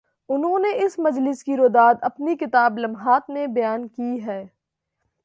انہوں نے اس مجلس کی روداد اپنی کتاب "لمحات" میں بیان کی ہے۔